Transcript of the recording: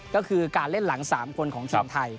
ก็คือการเล่นหลัง๓คนของทีมไทย